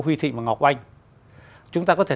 huy thị và ngọc oanh chúng ta có thể